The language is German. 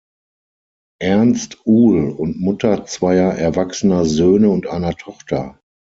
Ernst Uhl und Mutter zweier erwachsener Söhne und einer Tochter.